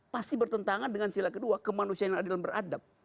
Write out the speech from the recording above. pasti bertentangan dengan sila kedua kemanusiaan yang adil dan beradab